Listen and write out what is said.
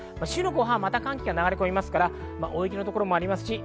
週の後半は寒気が流れ込みますから、大雪の所もあります。